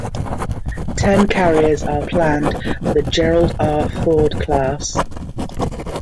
Ten carriers are planned for the "Gerald R. Ford" class.